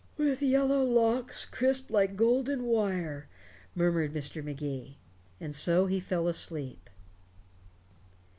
"With yellow locks, crisped like golden wire," murmured Mr. Magee. And so he fell asleep.